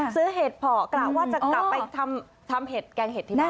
ซื้อเห็ดเพราะกล่าวว่าจะกลับไปทำแกงเห็ดที่บ้าน